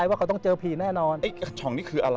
แสดงว่าที่เธอ